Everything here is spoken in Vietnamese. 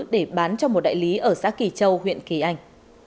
để bán cho một đại lý ở xã kỳ châu huyện kỳ anh